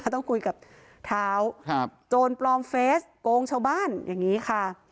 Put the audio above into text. ต้องคุยกับเท้าโจรปลอมเฟสโกงชาวบ้านอย่างนี้ค่ะ